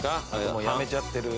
もうやめちゃってる。